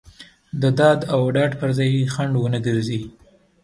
د داد او ډاډ پر ځای یې خنډ ونه ګرځي.